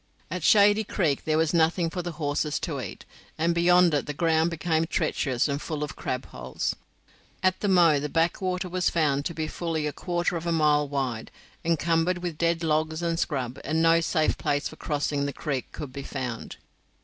At Shady Creek there was nothing for the horses to eat, and beyond it the ground became treacherous and full of crabholes. At the Moe the backwater was found to be fully a quarter of a mile wide, encumbered with dead logs and scrub, and no safe place for crossing the creek could be found.